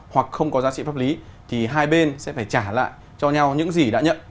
hoặc không có giá trị pháp lý thì hai bên sẽ phải trả lại cho nhau những gì đã nhận